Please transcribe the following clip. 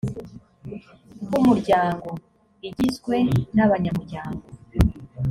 rw’umuryango: igizwe n’abanyamuryango